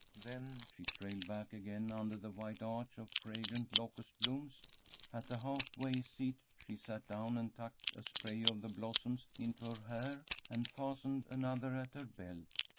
Then she trailed back again under the white arch of fragrant locust blooms. At the half way seat she sat down and tucked a spray of the blossoms into her hair and fastened another at her belt.